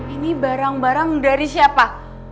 ini barang barang dari siapa